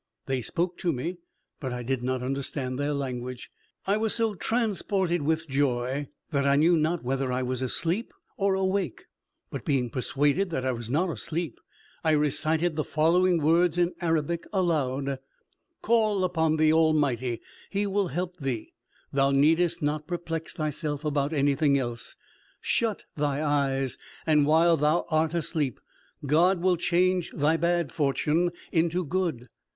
They spoke to me, but I did not understand their language. I was so transported with joy that I knew not whether I was asleep or awake; but being persuaded that I was not asleep, I recited the following words in Arabic aloud: "Call upon the Almighty, He will help thee; thou needst not perplex thyself about anything else: shut thy eyes, and while thou art asleep God will change thy bad fortune into good."